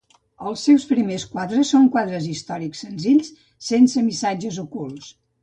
Els seus primer quadres són quadres històrics senzills sense missatges ocults.